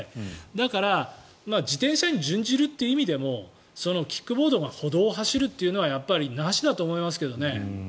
だから、自転車に準じるっていう意味でもキックボードが歩道を走るっていうのはなしだと思いますけどね。